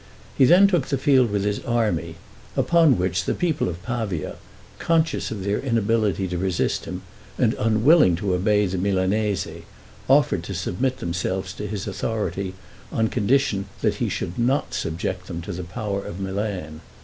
He then took the field with his army, upon which the people of Pavia, conscious of their inability to resist him, and unwilling to obey the Milanese, offered to submit themselves to his authority, on condition that he should not subject them to the power of Milan.